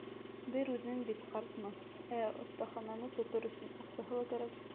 Бер үҙем бит, ҡартмын, ә оҫтахананы тотор өсөн аҡсаһы ла кәрәк.